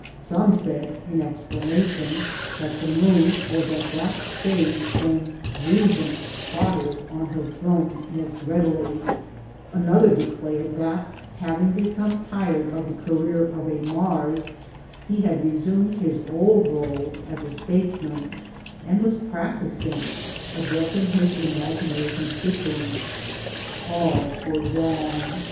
Some said, in explanation, that the moon was at that stage when reason totters on her throne most readily ; another de clared that, having become tired of the career of a Mars, he had resumed his old role as a statesman, and was practising, addressing his imaginary constituents. All were wrong.